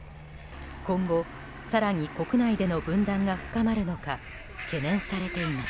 今後、更に国内での分断が深まるのか懸念されています。